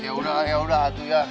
ya yaudah yaudah